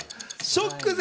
ショック！